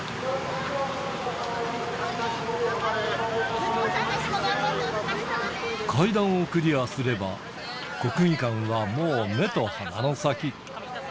息子さんたちも頑張って、階段をクリアすれば、国技館はもう目と鼻の先。